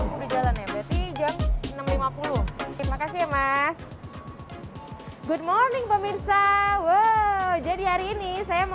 berjalan berhijab enam ratus lima puluh terima kasih mas good morning pemirsa wow jadi hari ini saya mau